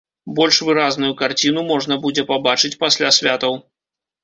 Больш выразную карціну можна будзе пабачыць пасля святаў.